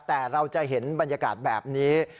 แต่เราจะเห็นบรรยากาศแบบนี้